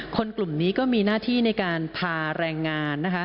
กลุ่มนี้ก็มีหน้าที่ในการพาแรงงานนะคะ